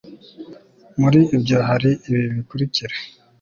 muri byo hari ibi bikurikira